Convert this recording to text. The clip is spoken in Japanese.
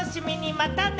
またね！